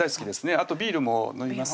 あとビールも飲みます